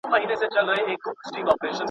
ستا نوبت هم را رسیږي کاږه مه ګوره بوډا ته